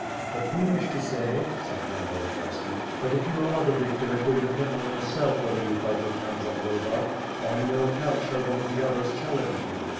"But we wish to say," said Pan Volodiyovski, "that if you are the victor it will depend on yourself whether you fight with Pan Zagloba; on no account shall one of the others chal lenge you.